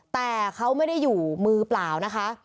แต่เขาไม่ได้อยู่มือเปล่านะคะ